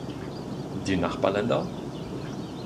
Die Nachbarländer?